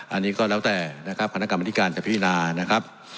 อันนี้ก็แล้วแต่นะครับคณะกรรมธิการจะพินานะครับ